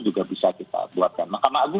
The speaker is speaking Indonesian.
juga bisa kita buatkan ma